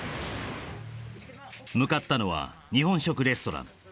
向かったのは日本食レストラン